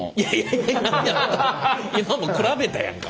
今もう比べたやんか。